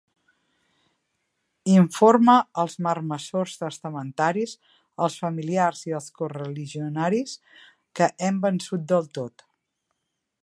Informe els marmessors testamentaris, els familiars i els correligionaris, que hem vençut del tot.